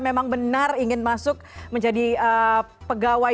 memang benar ingin masuk menjadi pegawai